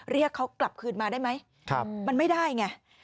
เรียกเขากลับคืนมาได้ไหมมันไม่ได้ไง